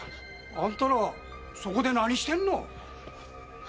あんたらそこで何してるの？